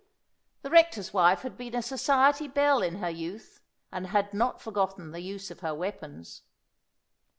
The rector's wife had been a society belle in her youth, and had not forgotten the use of her weapons.